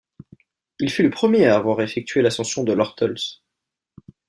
Il fut le premier à avoir effectué l'ascension de l'Ortles.